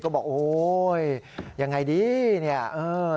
กลับบื้อไม่มีที่เอาเลย